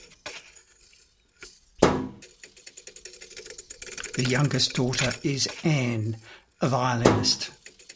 The youngest daughter is Ann, a violinist.